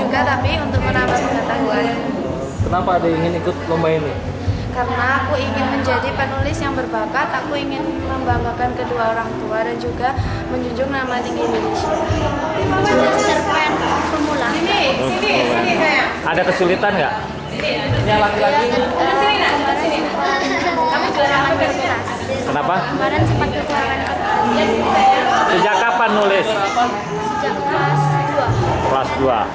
kenapa sejak kapan nulis sejak kelas dua